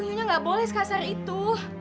tapi nyonya gak boleh sekasar itu